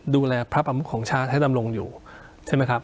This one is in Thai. ดูแลพระประมุขของชาติให้ดำรงอยู่ใช่ไหมครับ